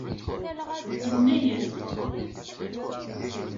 Yenna-as.